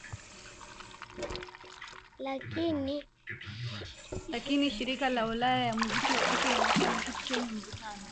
Lakini shirika la ulaya ya muziki na picha imekuwa ni kitu chenye mvutano